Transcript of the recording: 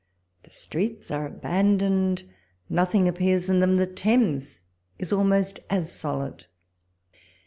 The streets are abandoned ; nothing appears in them : the Thames is ahnost as solid.